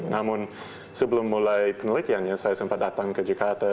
namun sebelum mulai penelitiannya saya sempat datang ke jakarta